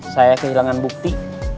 saya kehilangan bukti